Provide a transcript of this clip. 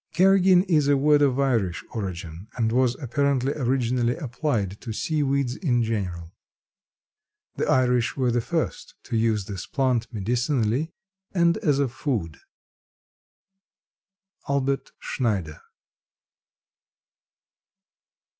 Carrageen is a word of Irish origin and was apparently originally applied to sea weeds in general. The Irish were the first to use this plant medicinally and as a food. Albert Schneider.